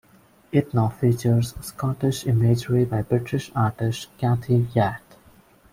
It now features Scottish imagery by British artist Kathy Wyatt.